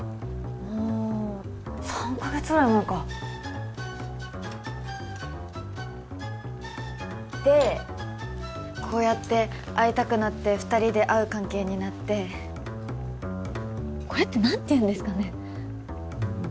もう３カ月ぐらい前かでこうやって会いたくなって二人で会う関係になってこれって何て言うんですかね？